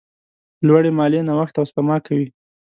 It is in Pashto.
لوړې مالیې نوښت او سپما کموي.